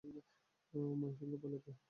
মায়ের সঙ্গে পাল্লা দিয়ে হাঁটাও সহজ ছিল না।